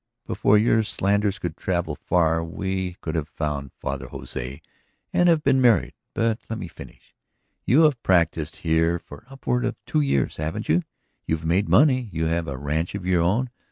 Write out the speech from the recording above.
Before your slanders could travel far we could have found Father Jose and have been married. But let me finish. You have practised here for upward of two years, haven't you? You have made money, you have a ranch of your own.